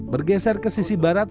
bergeser ke sisi barat